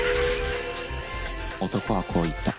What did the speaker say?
男はこう言った。